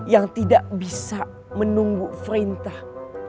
yang tidak bisa menunggu perintah